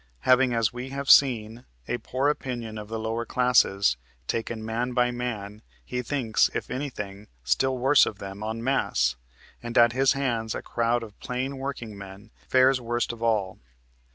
Having, as we have seen, a poor opinion of the lower classes, taken man by man, he thinks, if anything, still worse of them taken en masse, and at his hands a crowd of plain workingmen fares worst of all.